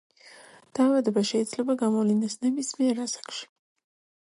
დაავადება შეიძლება გამოვლინდეს ნებისმიერ ასაკში.